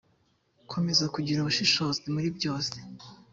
komeza kugira ubushishozi muri byose